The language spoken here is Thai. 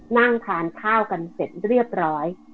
นั่งทานข้าวกันเสร็จเรียบร้อย